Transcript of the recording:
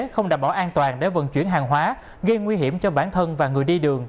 không đảm bảo an toàn để vận chuyển hàng hóa gây nguy hiểm cho bản thân và người đi đường